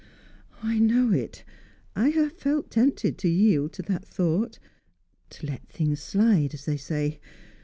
"I know it. I have felt tempted to yield to that thought to let things slide, as they say.